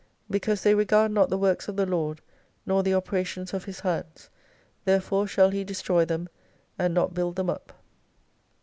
Because they regard not thb Works of the Lord, nor the operations of His hands, therefore shall He destroy them, and not kiild them up.